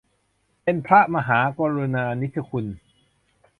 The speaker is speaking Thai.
เป็นพระมหากรุณานิชคุณ